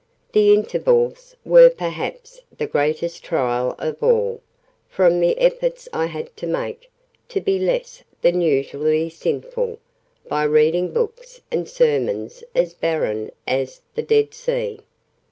The intervals were perhaps the greatest trial of all, from the efforts I had to make, to be less than usually sinful, by reading books and sermons as barren as the Dead Sea.